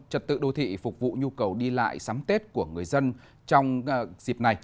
trật tự đô thị phục vụ nhu cầu đi lại sắm tết của người dân trong dịp này